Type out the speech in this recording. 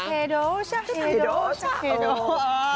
เฮโดชะเฮโดชะ